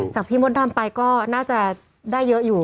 พี่มดดำไปก็น่าจะได้เยอะอยู่